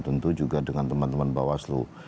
tentu juga dengan teman teman bawaslu